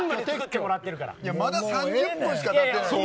まだ３０分しかたってない。